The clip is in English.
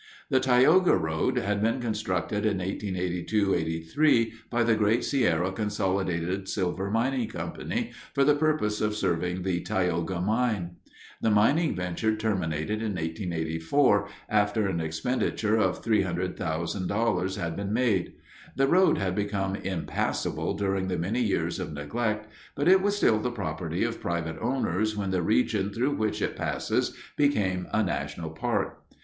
The Tioga Road had been constructed in 1882 1883 by the Great Sierra Consolidated Silver Mining Company for the purpose of serving the Tioga Mine. The mining venture terminated in 1884 after an expenditure of $300,000 had been made. The road had become impassable during the many years of neglect, but it was still the property of private owners when the region through which it passes became a national park.